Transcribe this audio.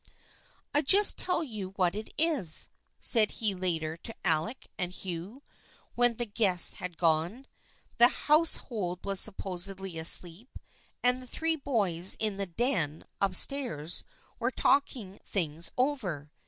" I just tell you what it is," said he later to Alec and Hugh, when the guests had gone, the house hold was supposedly asleep, and the three boys in the " den " up stairs were talking things over.